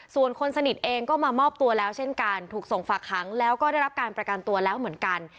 ส่วนคนสนิทเองก็มามอบตัวแล้วเช่นกันถูกส่งฝากหางแล้วก็ได้รับการประกันตัวแล้วเหมือนกัน